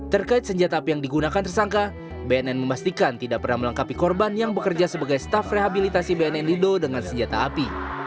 terkait senjata api yang digunakan tersangka bnn memastikan tidak pernah melengkapi korban yang bekerja sebagai staf rehabilitasi bnn lido dengan senjata api